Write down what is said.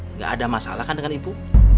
nggak ada masalah kan dengan ibu